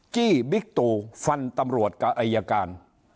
จี้บิ๊กตู่ฟันตำรวจกับอายการ